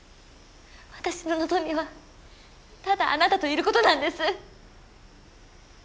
私の望みはただあなたといることなんです。